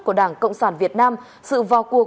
của đảng cộng sản việt nam sự vào cuộc